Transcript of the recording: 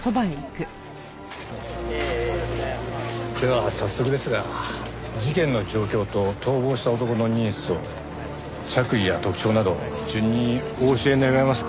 では早速ですが事件の状況と逃亡した男の人相着衣や特徴など順にお教え願えますか？